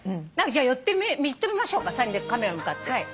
じゃあ言ってみましょうか３人でカメラに向かって。